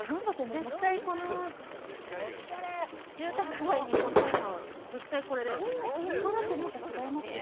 絶対この住宅街にぽつんと絶対これだよね。